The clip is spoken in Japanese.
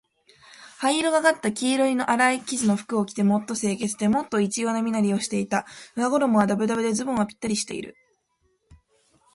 灰色がかった黄色のあらい生地の服を着て、もっと清潔で、もっと一様な身なりをしていた。上衣はだぶだぶで、ズボンはぴったりしている。